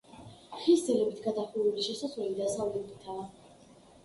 ხის ძელებით გადახურული შესასვლელი დასავლეთითაა.